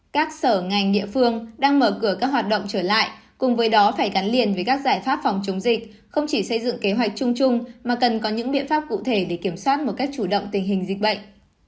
các sở ngành địa phương đang mở cửa các hoạt động trở lại cùng với đó phải gắn liền với các giải pháp phòng chống dịch không chỉ xây dựng kế hoạch chung chung mà cần có những biện pháp cụ thể để kiểm soát một cách chủ động tình hình dịch bệnh